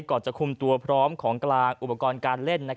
จะคุมตัวพร้อมของกลางอุปกรณ์การเล่น